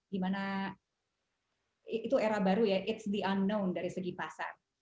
karena itu era baru ya it's the unknown dari segi pasar